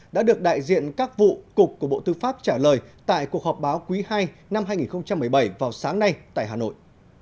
đã được đại diện các vụ cục của bộ tư pháp trả lời tại cuộc họp báo quý ii năm hai nghìn một mươi bảy vào sáng nay tại hà nội